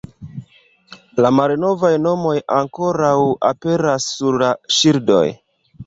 La malnovaj nomoj ankoraŭ aperas sur la ŝildoj.